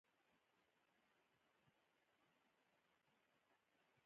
هغوی د برابرۍ له پاره د لوړې مالیې ورکولو ته تیار نه دي.